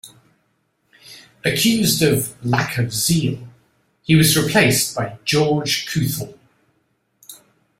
Accused of "lack of zeal", he was replaced by Georges Couthon.